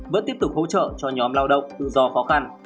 vẫn tiếp tục hỗ trợ cho nhóm lao động tự do khó khăn